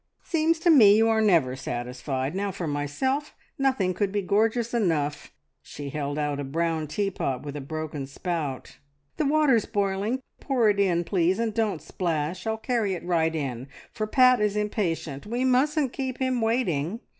"Seems to me you are never satisfied! Now for myself nothing could be gorgeous enough!" She held out a brown teapot with a broken spout. "The water's boiling. Pour it in please, and don't splash! I'll carry it right in, for Pat is impatient. We mustn't keep him waiting."